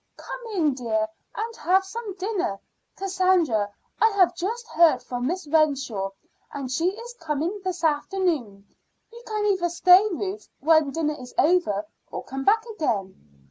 "Come in, dear, and have some dinner. Cassandra, I have just heard from Miss Renshaw, and she is coming this afternoon. You can either stay, Ruth, when dinner is over, or come back again."